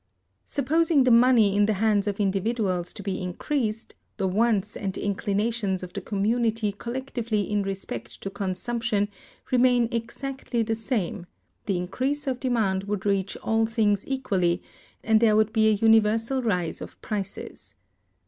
Supposing the money in the hands of individuals to be increased, the wants and inclinations of the community collectively in respect to consumption remaining exactly the same, the increase of demand would reach all things equally, and there would be a universal rise of prices.